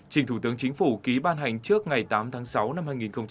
trình thủ tướng chính phủ ký ban hành trước ngày tám tháng sáu năm hai nghìn hai mươi